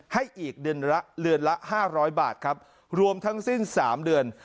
ให้อีกเดือนละห้าร้อยบาทครับรวมทั้งสิ้นสามเดือน